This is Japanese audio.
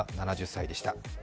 ７０歳でした。